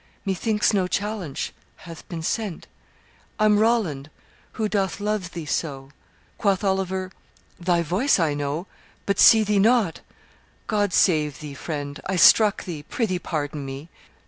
Methinks no challenge hath been sent I'm Roland, who doth love thee so.' Quoth Oliver, 'Thy voice I know, But see thee not; God save thee, friend: I struck thee; prithee pardon me.